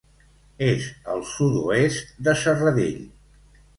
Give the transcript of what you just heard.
És al sud-oest de Serradell.